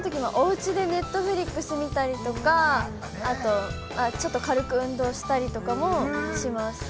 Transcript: ◆おうちでネットフリックス見たりとか、あとちょっと軽く運動したりとかもします。